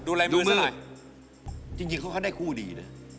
ดูมือจริงเค้าได้คู่ดีเนอะ